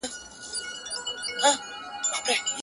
o څه ګلاب سوې څه نرګس او څه سنبل سوې,